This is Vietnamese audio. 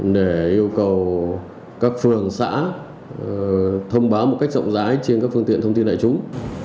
để yêu cầu các phường xã thông báo một cách rộng rãi trên các phương tiện thông tin đại chúng